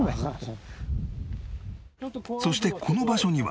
そしてこの場所には